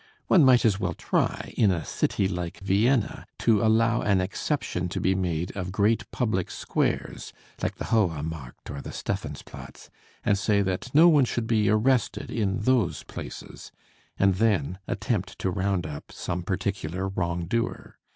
One might as well try in a city like Vienna to allow an exception to be made of great public squares like the Hohe Markt or the Stephans Platz and say that no one should be arrested in those places and then attempt to round up some particular wrong doer.